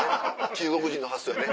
中国人の発想やね。